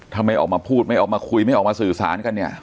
ถ้าไม่ออกมาพูดไม่ออกมาคุยไม่ออกมาสื่อสารกันเนี่ย